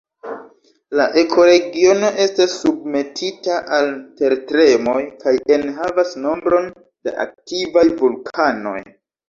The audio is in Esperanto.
La ekoregiono estas submetita al tertremoj kaj enhavas nombron da aktivaj vulkanoj.